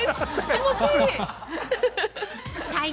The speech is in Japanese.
気持ちいい！